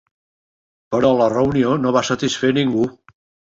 Però la reunió no va satisfer a ningú.